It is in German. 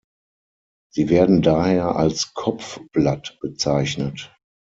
Sie werden daher als Kopfblatt bezeichnet.